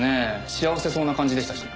幸せそうな感じでしたし。